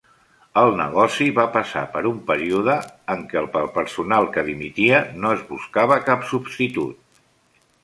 El negoci va passar per un període en què pel personal que dimitia no es buscava cap substitut.